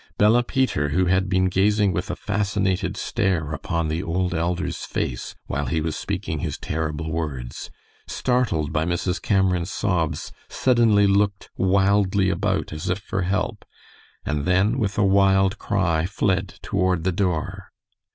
Bella Peter, who had been gazing with a fascinated stare upon the old elder's face while he was speaking his terrible words, startled by Mrs. Cameron's sobs, suddenly looked wildly about as if for help, and then, with a wild cry, fled toward the door.